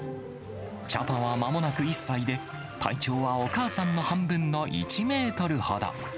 チャパはまもなく１歳で、体長はお母さんの半分の１メートルほど。